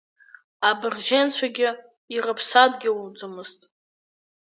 Абырзенцәагьы ирыԥсадгьылӡамызт…